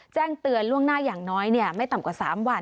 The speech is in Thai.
แจ้งเตือนล่วงหน้าอย่างน้อยไม่ต่ำกว่า๓วัน